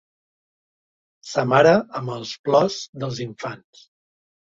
S'amara amb el plors dels infants.